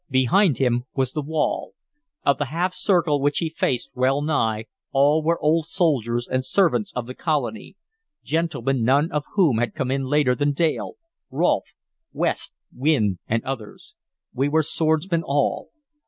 Behind him was the wall: of the half circle which he faced well nigh all were old soldiers and servants of the colony, gentlemen none of whom had come in later than Dale, Rolfe, West, Wynne, and others. We were swordsmen all.